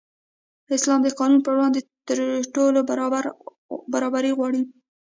اسلام د قانون پر وړاندې د ټولو برابري غواړي.